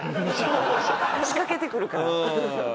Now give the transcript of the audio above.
仕掛けてくるから。